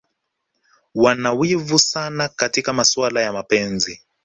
Wana wivu sana katika masuala ya mapenzi